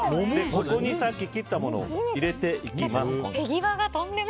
ここにさっき切ったものを入れていきます。